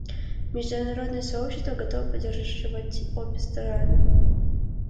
Международное сообщество готово поддерживать обе страны.